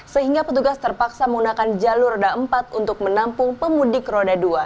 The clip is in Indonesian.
sehingga petugas terpaksa menggunakan jalur roda empat untuk menampung pemudik roda dua